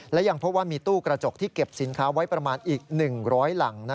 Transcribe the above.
และยังพบว่ามีตู้กระจกที่เก็บสินค้าไว้ประมาณอีก๑๐๐หลัง